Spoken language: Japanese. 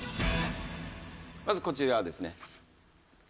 まずこちらですね。